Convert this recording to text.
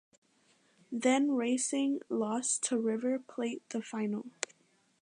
Then Racing lost to River Plate the final.